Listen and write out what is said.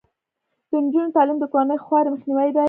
د نجونو تعلیم د کورنۍ خوارۍ مخنیوی دی.